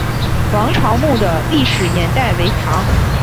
王潮墓的历史年代为唐。